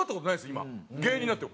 今芸人になっても。